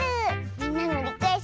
みんなのリクエストをだ